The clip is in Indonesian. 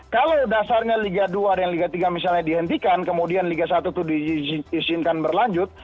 kalau dasarnya liga dua dan liga tiga misalnya dihentikan kemudian liga satu itu diizinkan berlanjut